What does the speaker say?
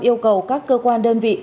yêu cầu các cơ quan đơn vị